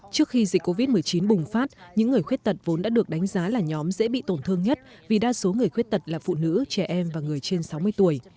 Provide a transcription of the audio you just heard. trước khi dịch covid một mươi chín bùng phát những người khuyết tật vốn đã được đánh giá là nhóm dễ bị tổn thương nhất vì đa số người khuyết tật là phụ nữ trẻ em và người trên sáu mươi tuổi